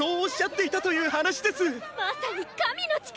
まさに神の力！！